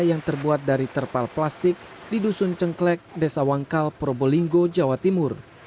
yang terbuat dari terpal plastik di dusun cengklek desa wangkal probolinggo jawa timur